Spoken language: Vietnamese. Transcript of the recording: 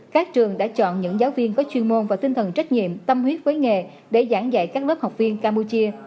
các trường đã chọn những giáo viên có chuyên môn và tinh thần trách nhiệm tâm huyết với nghề để giảng dạy các lớp học viên campuchia